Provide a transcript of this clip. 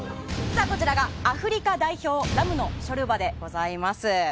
こちらがアフリカ代表ラムのショルバでございます。